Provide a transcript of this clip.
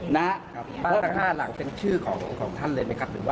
หน้าบ้านทั้ง๕หลังเป็นชื่อของท่านเลยไหมครับ